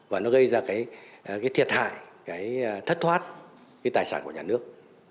và nó gây ra cái thiệt hại cái thất thoát cái tài sản của nhà nước